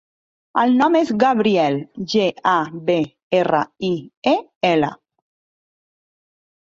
El nom és Gabriel: ge, a, be, erra, i, e, ela.